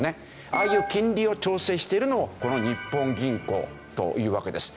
ああいう金利を調整しているのをこの日本銀行というわけです。